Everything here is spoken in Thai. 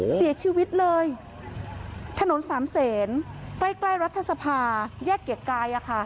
เสียชีวิตเลยถนนสามเศษใกล้รัฐสภาแยกเกียรติกาย